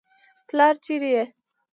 پلاره چېرې يې.